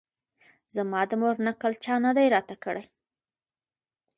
زما د مور نکل چا نه دی راته کړی